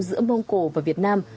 giữa mông cổ và việt nam